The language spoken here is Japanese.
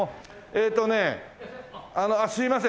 えっとねあのすいません。